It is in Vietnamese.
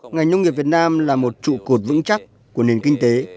ngành nông nghiệp việt nam là một trụ cột vững chắc của nền kinh tế